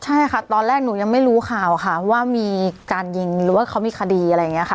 ใช่ค่ะตอนแรกหนูยังไม่รู้ข่าวค่ะว่ามีการยิงหรือว่าเขามีคดีอะไรอย่างนี้ค่ะ